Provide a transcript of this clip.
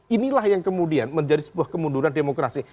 inilah yang kemudian menjadi sebuah kemunduran demokrasi